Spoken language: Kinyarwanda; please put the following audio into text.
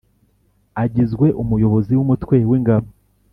agizwe Umuyobozi w Umutwe w Ingabo